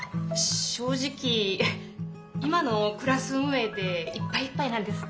正直今のクラス運営でいっぱいいっぱいなんです。